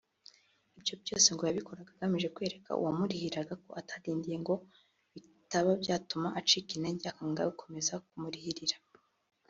ibi byose ngo yabikoraga agamije kwereka uwo wamurihiraga ko atadindiye ngo bitaba byatuma acika intege akanga gukomeza kumurikihira